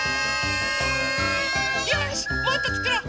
よしもっとつくろう！